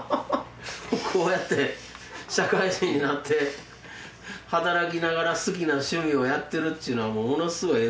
こうやって社会人になって働きながら好きな趣味をやってるっちゅうのはものすごいええ